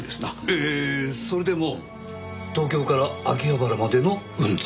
えっえっえっそれでも東京から秋葉原までの運賃？